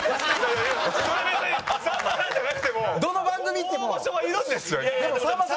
それは別にさんまさんじゃなくても大御所はいるんですよいっぱい。